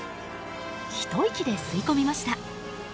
ひと息で吸い込みました。